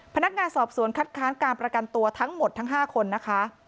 พนักงานสอบสวนคัดค้านการประกันตัวทั้งหมดทั้ง๕คนนะคะ